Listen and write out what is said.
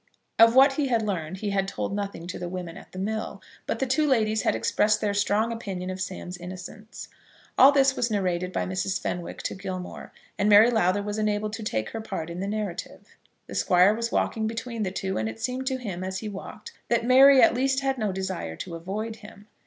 Of what he had learned he had told nothing to the women at the mill, but the two ladies had expressed their strong opinion of Sam's innocence. All this was narrated by Mrs. Fenwick to Gilmore, and Mary Lowther was enabled to take her part in the narrative. The Squire was walking between the two, and it seemed to him as he walked that Mary at least had no desire to avoid him.